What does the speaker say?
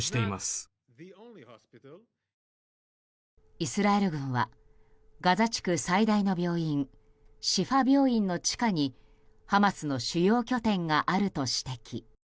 イスラエル軍はガザ地区最大の病院、シファ病院の地下にハマスの主要拠点があると指摘。